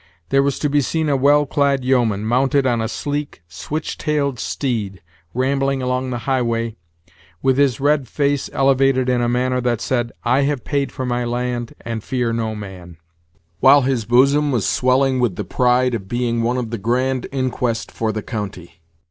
There was to be seen a well clad yeoman, mounted on a sleek, switch tailed steed, rambling along the highway, with his red face elevated in a manner that said, "I have paid for my land, and fear no man;" while his bosom was swelling with the pride of being one of the grand inquest for the county.